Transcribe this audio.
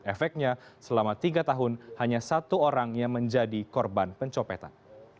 efeknya selama tiga tahun hanya satu orang yang menjadi korban pencopetan